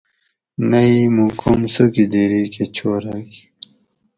نہ ای موں کم څوکیدیری کہ چھورگ